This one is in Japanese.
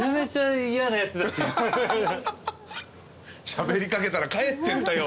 「しゃべり掛けたら帰ってったよ」